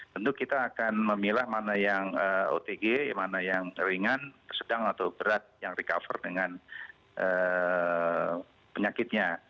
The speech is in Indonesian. tentu kita akan memilah mana yang otg mana yang ringan sedang atau berat yang recover dengan penyakitnya